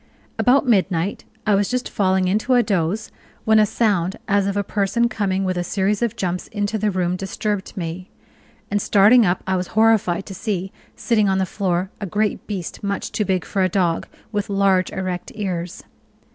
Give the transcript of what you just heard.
About midnight, I was just falling into a doze when a sound as of a person coming with a series of jumps into the room disturbed me; and starting up I was horrified to see, sitting on the floor, a great beast much too big for a dog, with large, erect ears.